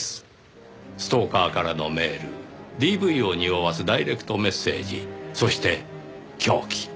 ストーカーからのメールＤＶをにおわすダイレクトメッセージそして凶器。